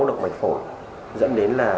động mạch phổi dẫn đến là